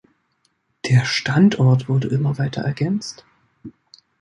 Der Standort wurde immer weiter ergänzt.